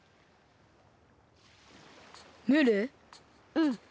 うん。